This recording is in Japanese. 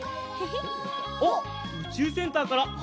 あっうちゅうセンターからでんわだ！